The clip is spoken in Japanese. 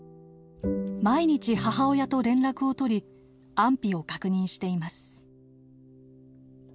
毎日母親と連絡を取り安否を確認しています。